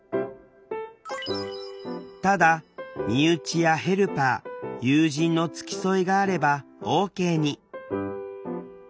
ただ身内やヘルパー友人の付き添いがあればＯＫに。